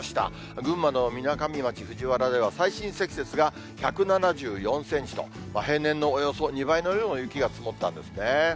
群馬のみなかみ町藤原では、最深積雪が１７４センチと、平年のおよそ２倍の量の雪が積もったんですね。